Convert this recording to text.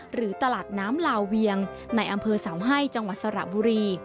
หรือตลาดน้ำลาเวียงในอำเภอเสาให้จังหวัดสระบุรี